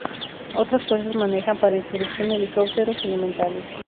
Otras fuerzas manejan para introducción helicópteros elementales.